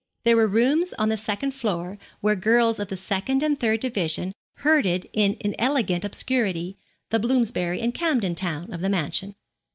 There were rooms on the second floor where girls of the second and third division herded in inelegant obscurity, the Bloomsbury and Camden Town of the mansion.